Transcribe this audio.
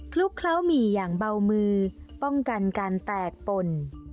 ลุกเคล้าหมี่อย่างเบามือป้องกันการแตกป่น